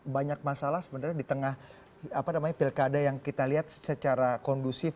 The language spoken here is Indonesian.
banyak masalah sebenarnya di tengah pilkada yang kita lihat secara kondusif